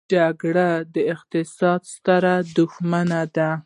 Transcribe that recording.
جګړه د اقتصاد ستر دښمن دی.